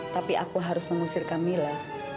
tapi aku harus mengusir kamila